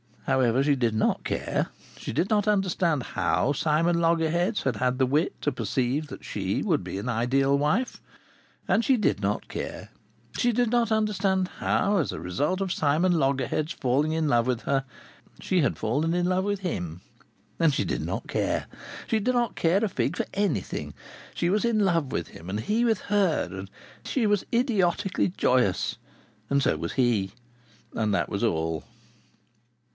However, she did not care. She did not understand how Simon Loggerheads had had the wit to perceive that she would be an ideal wife. And she did not care. She did not understand how, as a result of Simon Loggerheads falling in love with her, she had fallen in love with him. And she did not care. She did not care a fig for anything. She was in love with him, and he with her, and she was idiotically joyous, and so was he. And that was all.